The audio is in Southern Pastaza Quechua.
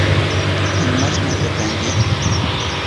¿Imashnata kanki?